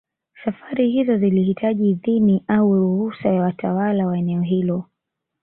Safari hizo zilihitaji idhini au ruhusa ya watawala wa eneo hilo